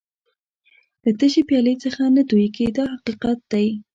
له تشې پیالې څخه څه نه تویېږي دا حقیقت دی.